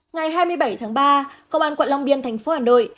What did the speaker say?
ngày hai mươi bảy tháng ba công an quận long biên thành phố hà nội